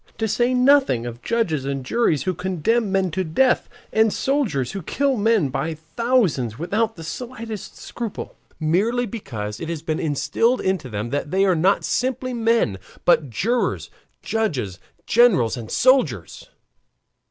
To say nothing of judges and juries who condemn men to death, and soldiers who kill men by thousands without the slightest scruple merely because it has been instilled into them that they are not simply men, but jurors, judges, generals, and soldiers.